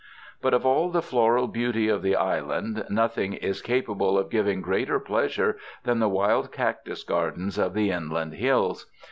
But of all the floral beauty of the island, nothing is capable of giving greater pleasure than the wild cactus gardens of the inland hills.